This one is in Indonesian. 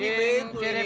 yang dibantu ini